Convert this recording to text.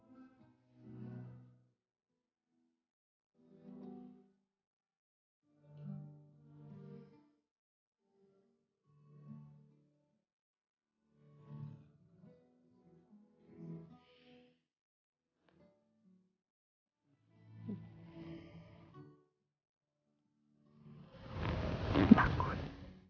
saat apa dirty kok